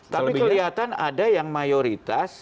tapi kelihatan ada yang mayoritas